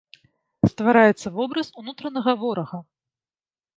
Ствараецца вобраз унутранага ворага.